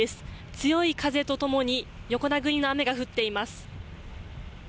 強い風とともに横殴りの雨が降っています。